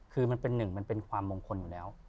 คือมันเป็นหนึ่งมันเป็นความมงคลอยู่แล้ว